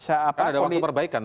ada waktu perbaikan